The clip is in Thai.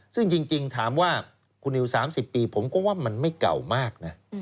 ซึ่งจริงถามว่าคุณนิว๓๐ปีผมก็ว่ามันไม่เก่ามากนะ